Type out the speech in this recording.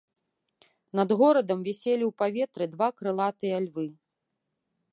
Над горадам віселі ў паветры два крылатыя львы.